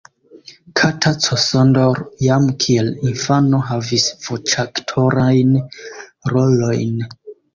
Kata Csondor jam kiel infano havis voĉaktorajn rolojn.